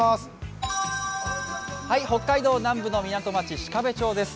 北海道南部の港町、鹿部町です。